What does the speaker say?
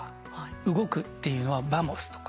動くっていうのはバモスとか。